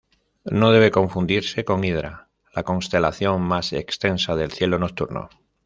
No debe confundirse con Hidra, la constelación más extensa del cielo nocturno.